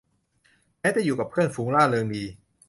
แม้จะอยู่กับเพื่อนฝูงร่าเริงดี